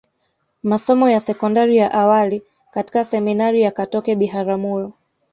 Masomo ya sekondari ya awali katika Seminari ya Katoke Biharamulo